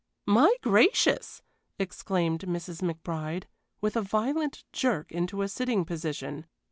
"My gracious!" exclaimed Mrs. McBride, with a violent jerk into a sitting position.